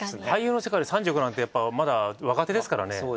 俳優の世界で３５なんてやっぱまだ若手ですからね。